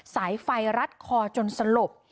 สายไฟรัดคอจนสลบ